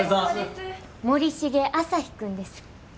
森重朝陽君です。